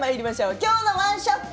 「きょうのワンショット」。